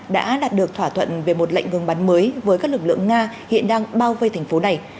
đã đạt được thỏa thuận về một lệnh ngừng bắn mới với các lực lượng nga hiện đang bao vây thành phố này